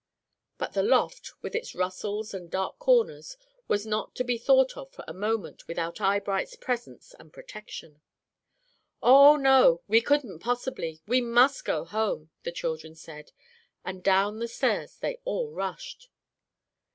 But the loft, with its rustles and dark corners, was not to be thought of for a moment without Eyebright's presence and protection. "Oh, no, we couldn't possibly; we must go home," the children said, and down the stairs they all rushed.